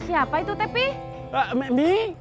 siapa itu tepi